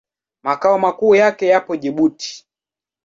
Makao makuu yake yako Jibuti.